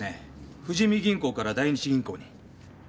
富士見銀行から大日銀行に。